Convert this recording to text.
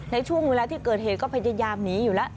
ในช่วงเวลาที่เกิดเหตุก็พยายามหนีอยู่แล้ว